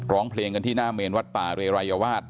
ร้องเพลงกันที่หน้าเมนวัดป่าเรรายวาส